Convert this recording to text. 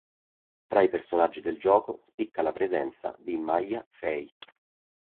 Tra i personaggi del gioco, spicca la presenza di Maya Fey.